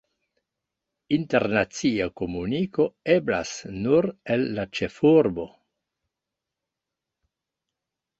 Internacia komuniko eblas nur el la ĉefurbo.